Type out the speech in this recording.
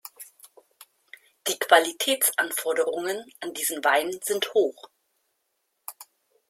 Die Qualitätsanforderungen an diesen Wein sind hoch.